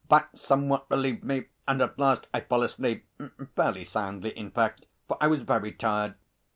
That somewhat relieved me, and at last I fell asleep fairly soundly, in fact, for I was very tired.